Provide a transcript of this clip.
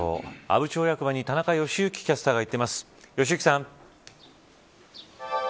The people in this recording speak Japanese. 阿武町役場に田中良幸キャスターが行っています良幸さん。